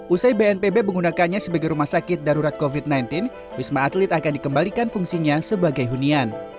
usai bnpb menggunakannya sebagai rumah sakit darurat covid sembilan belas wisma atlet akan dikembalikan fungsinya sebagai hunian